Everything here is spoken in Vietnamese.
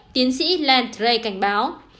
tiến sĩ lance ray cảnh báo